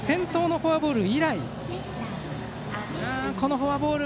フォアボール。